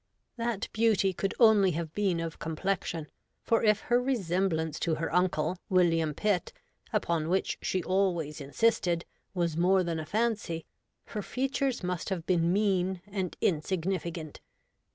That beauty could only have been of complexion ; for if her resemblance to her uncle, William Pitt, upon which she always insisted, was more than a fancy, her features must have been mean and insignificant.